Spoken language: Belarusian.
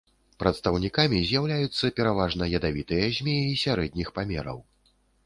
Прадстаўнікамі з'яўляюцца пераважна ядавітыя змеі сярэдніх памераў.